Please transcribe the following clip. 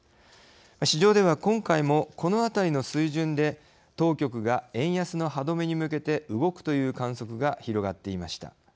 市場では今回もこのあたりの水準で当局が円安の歯止めに向けて動くという観測が広がっていました。